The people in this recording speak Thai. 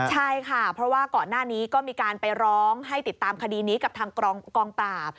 ใช่ค่ะเพราะว่าก่อนหน้านี้ก็มีการไปร้องให้ติดตามคดีนี้กับทางกองปราบ